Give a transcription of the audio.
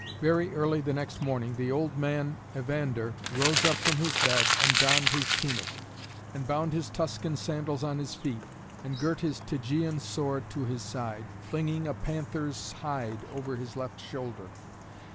Very early the next morning the old man Evander rose up from his bed, and donned his tunic, and bound his Tuscan sandals on his feet, and girt his Tegean sword to his side, flinging a panther's hide over his left shoulder.